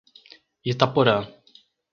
Itaporã